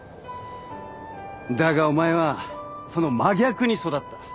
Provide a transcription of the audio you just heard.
だがお前はその真逆に育った。